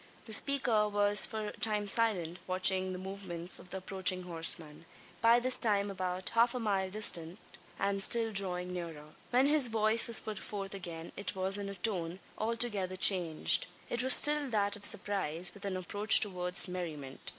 The speaker was for a time silent, watching the movements of the approaching horseman by this time about half a mile distant, and still drawing nearer. When his voice was put forth again it was in a tone altogether changed. It was still that of surprise, with an approach towards merriment.